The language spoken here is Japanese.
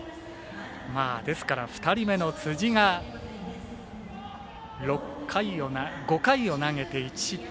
ですから２人目の辻が５回を投げて１失点。